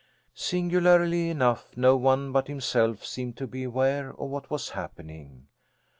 Singularly enough no one but himself seemed to be aware of what was happening.